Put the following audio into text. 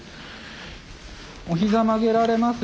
お膝曲げられます？